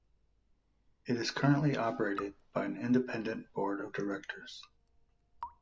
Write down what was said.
It is currently operated by an independent Board of Directors.